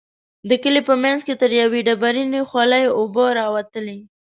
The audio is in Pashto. د کلي په منځ کې تر يوې ډبرينې خولۍ اوبه راوتلې.